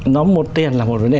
nó một tiền là một vấn đề